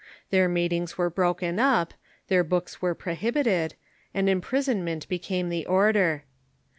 Their meetings were broken up, their books were prohibited, and imprisonment be came the order.